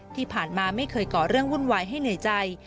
ที่ผ่านมาไม่เคยก่อเรื่องวุ่นวายให้เหนื่อยใจ